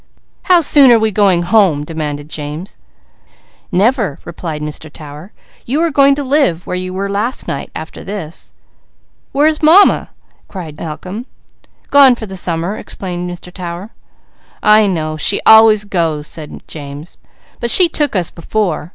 "How soon are we going home?" demanded James. "Never!" replied Mr. Tower. "You are going to live where you were last night, after this." "Where is Mamma?" cried Malcolm. "Gone for the summer," explained Mr. Tower. "I know. She always goes," said James. "But she took us before.